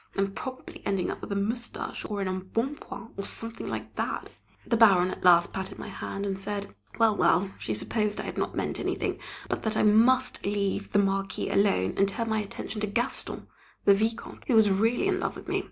and probably ending up with a moustache, or an embonpoint, or something like that. The Baronne at last patted my hand, and said: Well, well, she supposed I had not meant anything, but that I must leave the Marquis alone, and turn my attention to "Gaston" (the Vicomte), who was really in love with me.